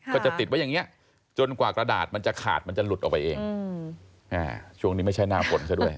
ก็จะติดไว้อย่างนี้จนกว่ากระดาษมันจะขาดมันจะหลุดออกไปเอง